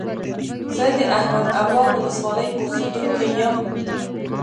زه د احمد ابا ولسوالۍ اوسيدونکى يم.